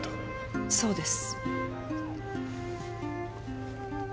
そうです。